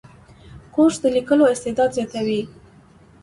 کورس د لیکلو استعداد زیاتوي.